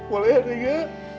boleh ya neng ya